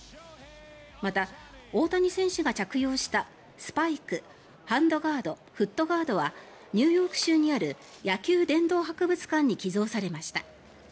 また、大谷選手が着用したスパイクハンドガード、フットガードはニューヨーク州にある野球殿堂博物館に寄贈されました。